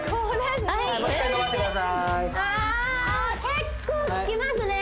結構効きますね